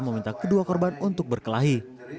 meminta kedua korban untuk berkelahi